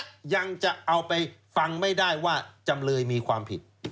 ยังจะเอาไปฟังไม่ได้ว่าจำเลยมีความผิด